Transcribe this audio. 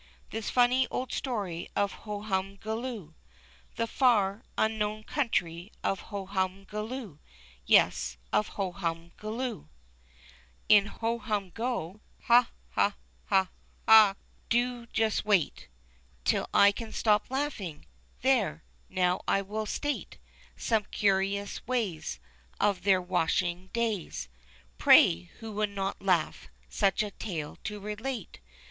This funny old story of Hohumgoloo, The far, unknown country of Hohumgoloo, Yes, of Hohumgoloo. 3 49 350 The children's wonder book. In Hohumgo — ha, ha, ha, ha ! Do just wait Till I can stop laughing. There ! now I will state Some curious ways Of their washing clays. Pray who would not laugh such a tale to relate